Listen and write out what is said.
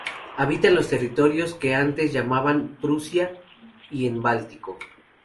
Habita en los territorios que antes se llamaban Prusia y en el Báltico.